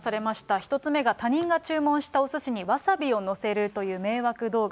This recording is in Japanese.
１つ目が他人が注文したおすしにわさびを載せるという迷惑動画。